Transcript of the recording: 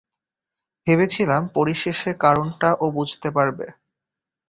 ভেবেছিলাম পরিশেষে কারণটা ও বুঝতে পারবে।